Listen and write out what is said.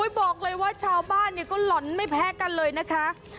บอกเลยว่าชาวบ้านก็หล่อนไม่แพ้กันเลยนะคะ